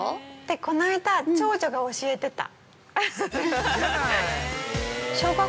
◆で、この間、長女が教えてた！